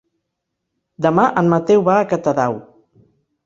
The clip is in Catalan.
Demà en Mateu va a Catadau.